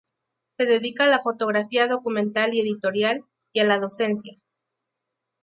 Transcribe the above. Se dedica a la fotografía documental y editorial, y a la docencia.